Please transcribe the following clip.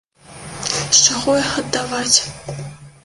З чаго іх аддаваць?